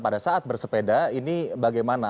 pada saat bersepeda ini bagaimana